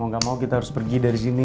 mau gak mau kita harus pergi dari sini